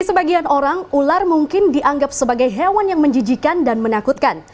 bagi sebagian orang ular mungkin dianggap sebagai hewan yang menjijikan dan menakutkan